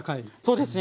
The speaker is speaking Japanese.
そうですね。